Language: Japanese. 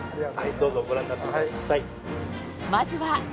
どうぞご覧になってください。